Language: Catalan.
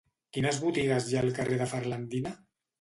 Quines botigues hi ha al carrer de Ferlandina?